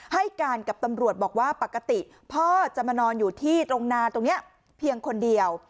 ให้การกับตำรวจบอกว่าปกติพ่อจะมานอนอยู่ที่ตรงนาตรงนี้เพียงคนเดียว